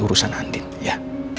urusan andin ya